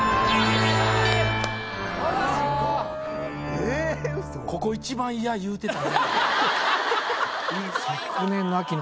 ・・えっウソ・ここ一番嫌言うてたのに。